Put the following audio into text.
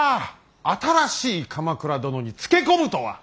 新しい鎌倉殿につけ込むとは。